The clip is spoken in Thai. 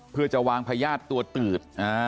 เพื่อจะวางพญาติตัวตืด